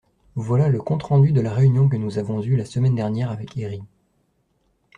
Voilà le compte-rendu de la réunion que nous avons eu la semaine dernière avec Herri.